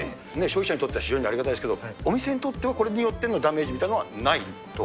消費者にとっては非常にありがたいですけど、お店にとってはこれによってのダメージっていうのはないと？